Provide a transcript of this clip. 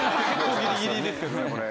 ギリギリですけどねこれ。